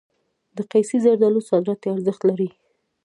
د قیسی زردالو صادراتي ارزښت لري.